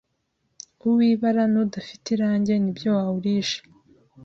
uwibara nu dafite irange nibyo wawurisha